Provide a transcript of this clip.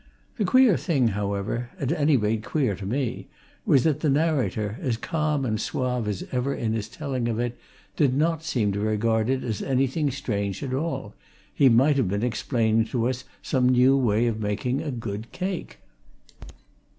The queer thing, however at any rate, queer to me was that the narrator, as calm and suave as ever in his telling of it did not seem to regard it as anything strange at all he might have been explaining to us some new way of making a good cake.